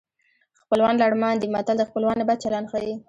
خپلوان لړمان دي متل د خپلوانو بد چلند ښيي